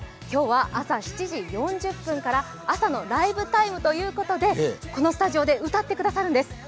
今日は朝７時４０分から「朝のライブ ＴＩＭＥ」ということで、このスタジオで歌ってくださるんです。